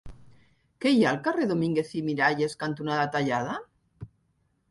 Què hi ha al carrer Domínguez i Miralles cantonada Tallada?